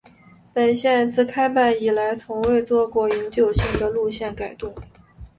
本线自开办以来从未做过永久性的路线改动。